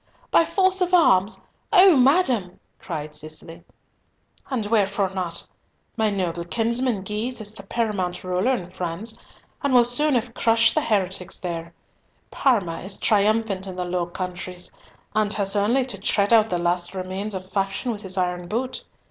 "By force of arms? Oh, madam!" cried Cicely. "And wherefore not? My noble kinsman, Guise, is the paramount ruler in France, and will soon have crushed the heretics there; Parma is triumphant in the Low Countries, and has only to tread out the last remnants of faction with his iron boot.